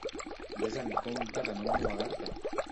Ves amb compte de no ennuegar-te!